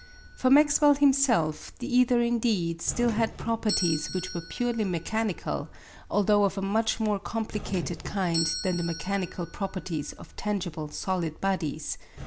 For Maxwell himself the ether indeed still had properties which were purely mechanical, although of a much more complicated kind than the mechanical properties of tangible solid bodies.